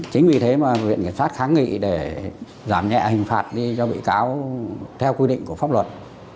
chính vì thế mà viện kiểm sát kháng nghị để giảm nhẹ hình phạt đi cho bị cáo theo quy định của pháp luật